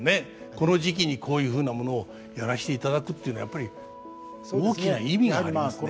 この時期にこういうふうなものをやらせていただくっていうのはやっぱり大きな意味がありますね。